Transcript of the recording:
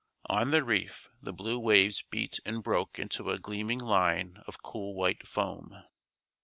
On the reef the blue waves beat and broke into a gleaming line of cool white foam.